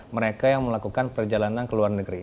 mereka yang melakukan perjalanan ke luar negeri